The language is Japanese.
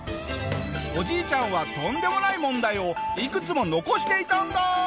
おじいちゃんはとんでもない問題をいくつも残していたんだ！